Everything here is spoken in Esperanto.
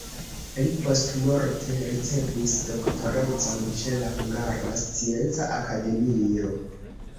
Li postmorte ricevis doktorecon ĉe la Hungara Scienca Akademio.